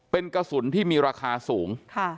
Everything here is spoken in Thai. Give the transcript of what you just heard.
เป็นกระสุนที่มีราคาสูง